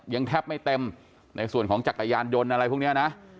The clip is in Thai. ยังแทบไม่เต็มในส่วนของจักรยานยนต์อะไรพวกนี้นะ